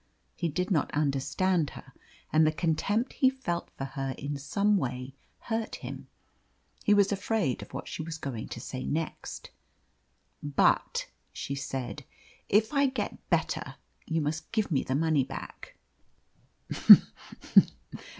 He did not understand her, and the contempt he felt for her in some way hurt him. He was afraid of what she was going to say next. "But," she said, "if I get better you must give me the money back."